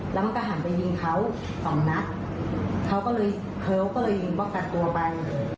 แล้วมันก็หันไปยิงเขาสองนัดเขาก็เลยเขาก็เลยป้องกันตัวไป